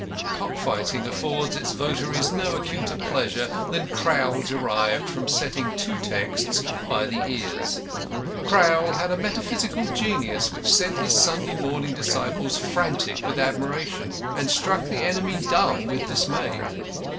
Cock fighting affords its votaries no acuter pleasure than Crowl derived from setting two texts by the ears. Crowl had a metaphysical genius which sent his Sunday morning disciples frantic with admiration, and struck the enemy dumb with dismay.